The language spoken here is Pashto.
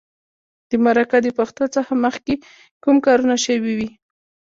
د مرکه د پښتو څخه مخکې کوم کارونه شوي وي.